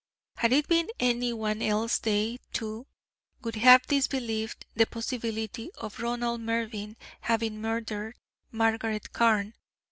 Had it been any one else they, too, would have disbelieved the possibility of Ronald Mervyn having murdered Margaret Carne.